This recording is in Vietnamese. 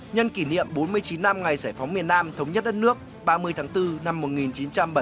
nhân kỷ niệm bốn mươi chín năm ngày giải phóng miền nam thống nhất đất nước ba mươi tháng bốn năm một nghìn chín trăm bảy mươi năm